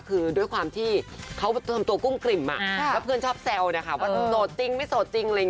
คือด้วยความที่เขาทำตัวกุ้งกริ่มแล้วเพื่อนชอบแซวว่าโสดจริงไม่โสดจริง